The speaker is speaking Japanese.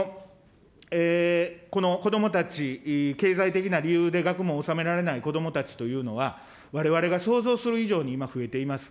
この子どもたち、経済的な理由で学問を修められない子どもたちというのは、われわれが想像する以上に今、増えています。